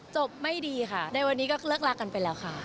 ไม่ดีค่ะในวันนี้ก็เลิกรักกันไปแล้วค่ะ